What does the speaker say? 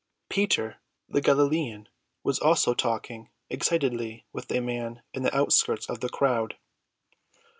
Peter, the Galilean, was also talking excitedly with a man in the outskirts of the crowd.